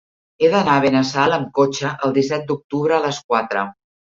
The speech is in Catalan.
He d'anar a Benassal amb cotxe el disset d'octubre a les quatre.